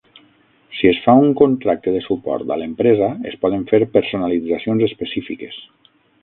Si es fa un contracte de suport a l'empresa, es poden fer personalitzacions específiques.